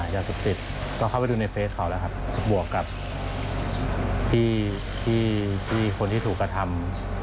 ยาเสพติดก็เข้าไปดูในเฟสเขาแล้วครับบวกกับพี่ที่คนที่ถูกกระทำ